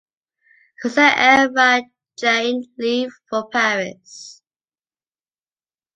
Cosette et Valjean leave for Paris.